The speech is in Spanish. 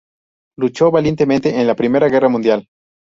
Luchó valientemente en la Primera Guerra mundial.